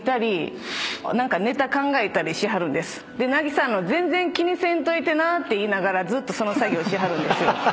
「渚全然気にせんといてな」って言いながらずっとその作業しはるんですよ。